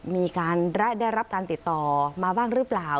มีการได้รับการติดต่อมาบ้างหรือเปล่า